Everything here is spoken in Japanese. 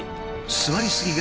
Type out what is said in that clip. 座りすぎね。